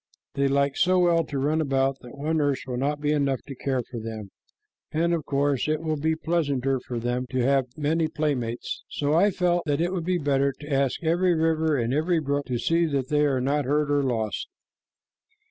They like so well to run about that one nurse will not be enough to care for them, and of course it will be pleasanter for them to have many playmates. So I felt that it would be better to ask every river and every brook to see that they are not hurt or lost."